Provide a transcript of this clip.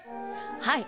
はい。